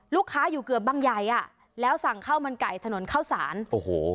ลูกค้าอยู่เกือบบังใหญ่อ่ะแล้วสั่งข้าวมันไก่ถนนข้าวสารโอ้โห